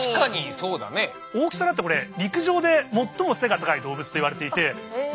大きさだってこれ陸上で最も背が高い動物といわれていておお！